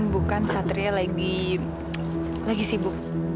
bukan satria lagi sibuk